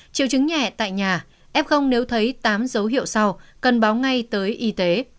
triệu chứng nhẹ tại nhà f nếu thấy tám dấu hiệu sau cần báo ngay tới y tế